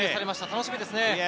楽しみですね。